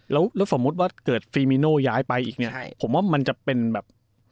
แล้วสมมุติว่าเกิดฟรีมิโน่ย้ายไปอีกเนี่ยผมว่ามันจะเป็นแบบ